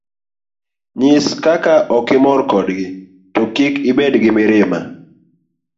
Nyis kaka okimor kodgi, to kik ibed gi mirima.